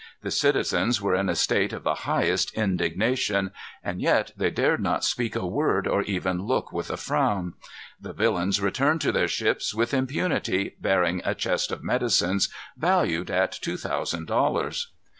The citizens were in a state of the highest indignation; and yet they dared not speak a word or even look with a frown. The villains returned to their ships with impunity, bearing a chest of medicines valued at two thousand dollars.